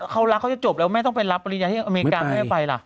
เขารักเขาจะจบแล้วแม่ต้องไปรับปริญญาที่อเมริกาแม่ไปล่ะ